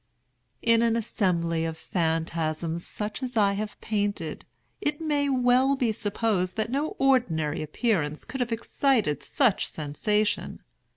In an assembly of phantasms such as I have painted, it may well be supposed that no ordinary appearance could have excited such sensation.